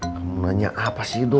kamu nanya apa sih itu